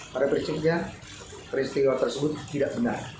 pada prinsipnya peristiwa tersebut tidak benar